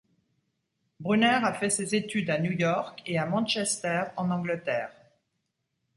Brunner a fait ses études à New York et à Manchester, en Angleterre.